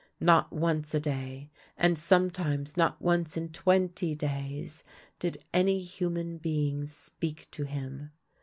Not once a day, and sometimes not once in twenty days, did any human being speak to him.